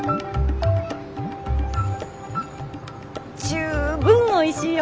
十分おいしいよ。